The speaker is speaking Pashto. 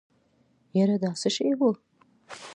يره دا څه شی و.